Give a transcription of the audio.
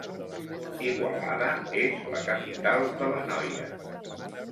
Igualada és la capital de l'Anoia.